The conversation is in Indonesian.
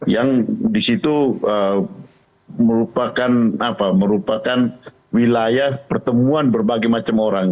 yang di situ merupakan wilayah pertemuan berbagai macam orang